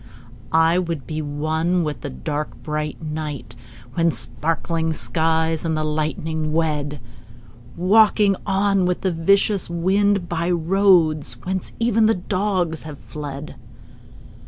I would be one with the dark bright night When sparkling skies and the lightning wed— Walking on with the vicious wind By roads whence even the dogs have fled.